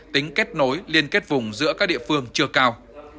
tính kết nối liên kết vùng giữa các địa phương chưa cao